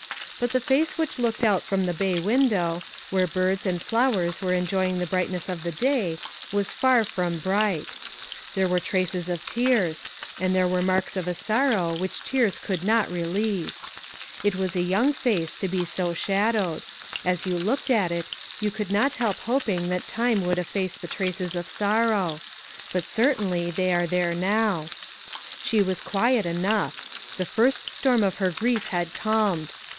But the face which looked out from the bay window, where birds and flowers were enjoying the brightness of the day, was far from bright. There were traces of tears, aud there were 373 374 ONE COMMONPLACE DAY. marks of a sorrow which tears could not relieve. It was a young face to be so shadowed; as you looked at it, you could not help hoping that time would efface the traces of sorrow; but certainly they were there now. She was quiet enough; the first storm of her grief had calmed.